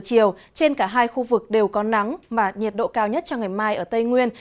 chiều trên cả hai khu vực đều có nắng mà nhiệt độ cao nhất cho ngày mai ở tây nguyên